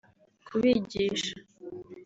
kubigisha